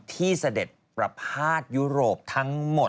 เสด็จประพาทยุโรปทั้งหมด